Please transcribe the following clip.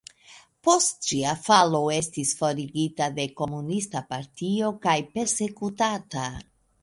Post ĝia falo estis forigita de komunista partio kaj persekutata.